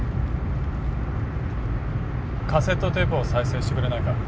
カセットテープを再生してくれないか。